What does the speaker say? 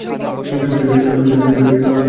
সবকিছু ভালোর পক্ষেই যাবে।